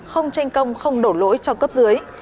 không tranh công không đổ lỗi cho cấp dưới